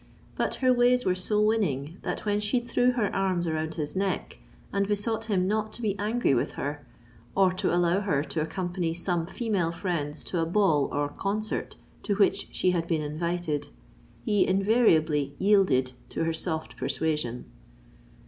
But her ways were so winning, that when she threw her arms around his neck, and besought him not to be angry with her, or to allow her to accompany some female friends to a ball or concert to which she had been invited, he invariably yielded to her soft persuasion.